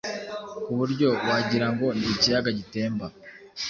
ku buryo wagirango ni ikiyaga gitemba.